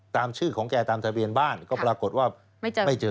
ตามชื่อของแกตามทะเบียนบ้านก็ปรากฏว่าไม่เจอ